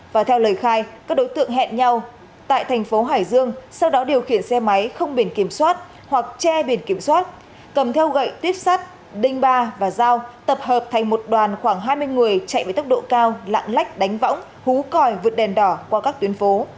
và theo lời khai các đối tượng hẹn nhau tại thành phố hải dương sau đó điều khiển xe máy không biển kiểm soát hoặc che biển kiểm soát cầm theo gậy tuyếp sắt đinh ba và dao tập hợp thành một đoàn khoảng hai mươi người chạy với tốc độ cao lạng lách đánh võng hú còi vượt đèn đỏ qua các tuyến phố